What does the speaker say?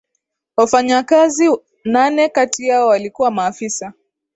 wafanyakazi nane kati yao walikuwa maafisa